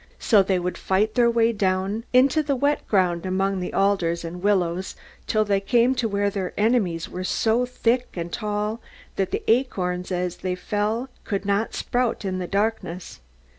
So they would fight their way down into the wet ground among the alders and willows, till they came to where their enemies were so thick and tall, that the acorns as they fell could not sprout in the darkness.